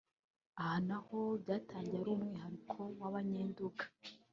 Aha naho byatangiye ari umwihariko w’Abanyenduga